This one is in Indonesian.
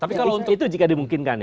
itu jika dimungkinkan ya